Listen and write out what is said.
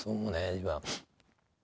今。